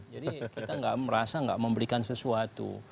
jadi kita merasa nggak memberikan sesuatu